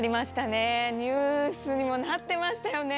ニュースにもなってましたよね。